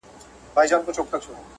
ستا د غېږي یو ارمان مي را پوره کړه.